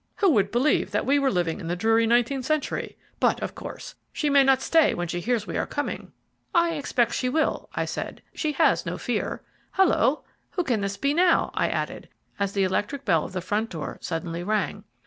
Who would believe that we were living in the dreary nineteenth century? But, of course, she may not stay when she hears we are coming." "I expect she will," I answered; "she has no fear. Halloa! who can this be now?" I added, as the electric bell of the front door suddenly rang.